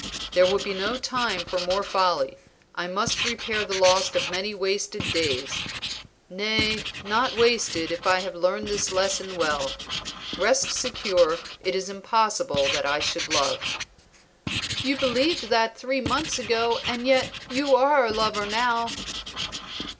There will be no time for more folly; I must repair the loss of many wasted days, nay, not wasted if I have learned this lesson well. Rest secure; it is impossible that I should love." "You believed that three months ago and yet you are a lover now."